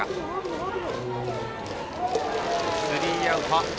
スリーアウト。